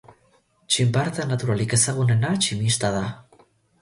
Txinparta naturalik ezagunena tximista da.